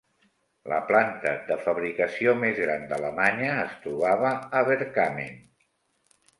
La planta de fabricació més gran d'Alemanya es trobava a Bergkamen.